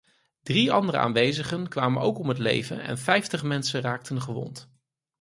Drie andere aanwezigen kwamen ook om het leven en vijftig mensen raakten gewond.